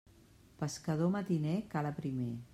Pescador matiner cala primer.